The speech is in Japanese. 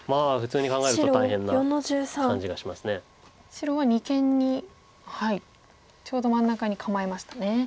白は二間にちょうど真ん中に構えましたね。